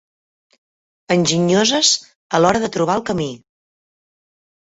Enginyoses a l'hora de trobar el camí.